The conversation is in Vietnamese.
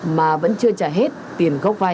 mà vẫn chưa trả hết tiền gốc vai